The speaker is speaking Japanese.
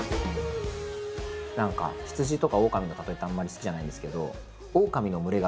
何かヒツジとかオオカミの例えってあんまり好きじゃないんですけど。